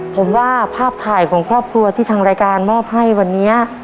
ผมว่าภาพถ่ายของครอบครัวที่ทางรายการมอบให้วันนี้